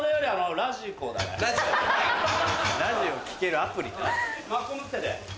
ラジオ聴けるアプリな。